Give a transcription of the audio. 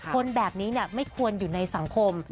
คนแบบนี้ไม่ควรอยู่ในสังคม